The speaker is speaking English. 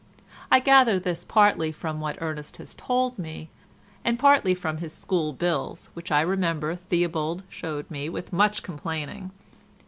I gather this partly from what Ernest has told me, and partly from his school bills which I remember Theobald showed me with much complaining.